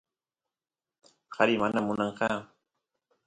kari mana munanqa